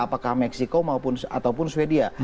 apakah meksiko maupun swedia